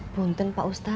buntun pak ustaz